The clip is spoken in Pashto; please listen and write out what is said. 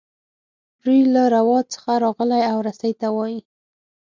روي له روا څخه راغلی او رسۍ ته وايي.